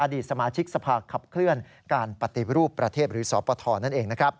ดีสมาชิกสภาขับเคลื่อนการปฏิรูปประเทศหรือสปทนั่นเอง